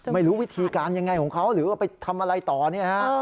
ไม่รู้วิธีการยังไงของเขาหรือว่าไปทำอะไรต่อเนี่ยฮะ